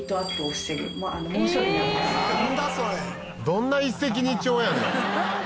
どんな一石二鳥やねん。